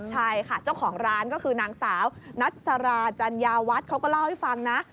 ใช่ค่ะเจ้าของร้านก็คือนางสาวนัสราจัญญาวัฒน์เขาก็เล่าให้ฟังนะ